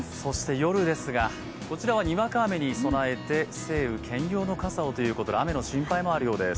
夜ですが、にわか雨に備えて、晴雨兼用傘をということで雨の心配もあるようです。